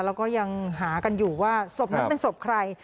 แล้วก็ยังหากันอยู่ว่าศพนั้นเป็นศพใคร